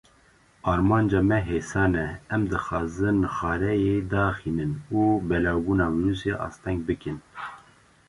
Armanca me hêsan e, em dixwazin xareyê daxînin, û belavbûna vîrusê asteng bikin.